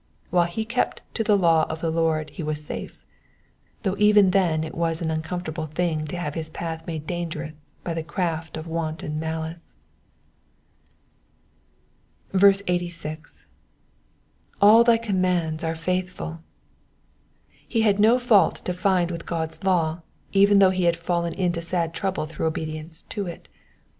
While kept to the law of the Lord he was safe, though even then it was an uncomtortable thing to have his path made dangerous by the craft of wanton malice. 86. *' 4W thy commandments are faithfuV* He had no fault to find with God's law, even though he had fallen into sad trouble through obedience to it.